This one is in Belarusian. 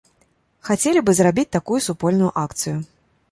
Хацелі бы зрабіць такую супольную акцыю.